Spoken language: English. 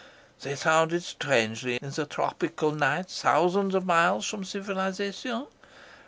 They sounded strangely in the tropical night thousands of miles from civilisation.